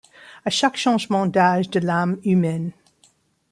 A chaque changement d'âge de l'âme humaine